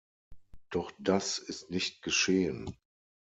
Doch das ist nicht geschehen.